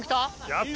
やった！